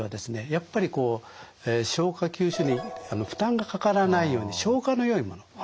やっぱりこう消化吸収にいい負担がかからないように消化のよいものですね。